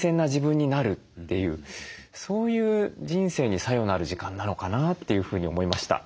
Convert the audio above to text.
そういう人生に作用のある時間なのかなというふうに思いました。